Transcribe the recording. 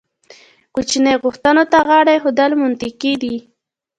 کوچنۍ غوښتنو ته غاړه ایښودل منطقي دي.